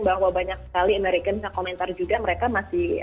bahwa banyak sekali american bisa komentar juga mereka masih